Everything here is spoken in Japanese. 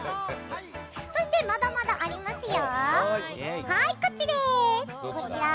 そして、まだまだありますよ！